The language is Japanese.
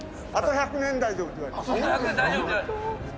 あと１００年大丈夫。